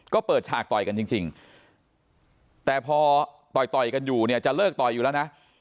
ก็เปิดฉากต่อยกันจริงแต่พอต่อยต่อยกันอยู่เนี่ยจะเลิกต่อยอยู่แล้วนะ